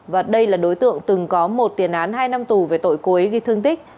và đây là đối tượng từng có một tiền án hai năm tù về tội cuối ghi thương tích